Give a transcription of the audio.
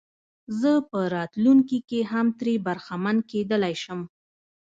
زه په راتلونکي کې هم ترې برخمن کېدلای شم.